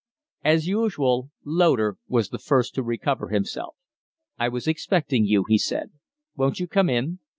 As usual, Loder was the first to recover himself. "I was expecting you," he said. "Won't you come in?"